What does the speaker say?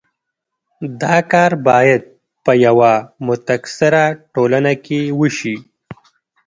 دا کار باید په یوه متکثره ټولنه کې وشي.